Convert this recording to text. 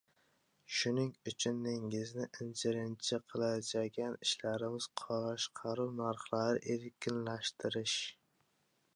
Shuning ucun, ningizning inciirinci qilajagan ishlarimiz, qaroshqaruv narxlari erkinlashtirish